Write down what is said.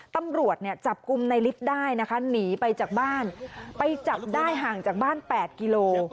ตำรวจเนี่ยจับกลุ่มในลิฟต์ได้นะคะหนีไปจากบ้านไปจับได้ห่างจากบ้าน๘กิโล